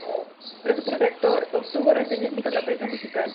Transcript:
Tras su publicación, "Re-ac-tor" obtuvo reseñas mixtas de la prensa musical.